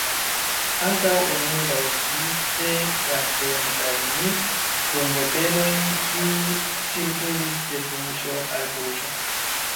Ankaŭ, oni laŭvice transdonis al ni rumbotelojn, kiuj cirkulis de buŝo al buŝo.